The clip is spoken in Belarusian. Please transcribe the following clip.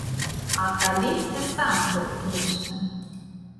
А калі ты сам спатыкнешся?